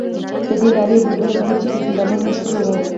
ددې نارې یو بلبل غریب چې په ګیله من مشهور و.